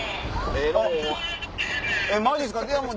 マジっすか？